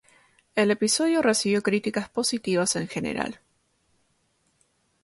El episodio recibió críticas positivas en general.